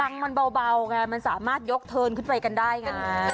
งมันเบาไงมันสามารถยกเทิร์นขึ้นไปกันได้ไง